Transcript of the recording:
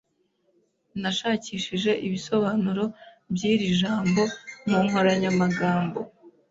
Nashakishije ibisobanuro by'iri jambo mu nkoranyamagambo.